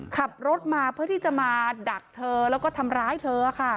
ขับรถมาเพื่อที่จะมาดักเธอแล้วก็ทำร้ายเธอค่ะ